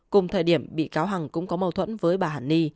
cùng thời điểm bị cáo hằng cũng có mâu thuẫn với bà hàn ni